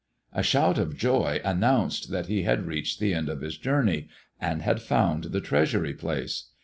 A shout of joy announced that he had reached the end of his journey, and had found the treasure place.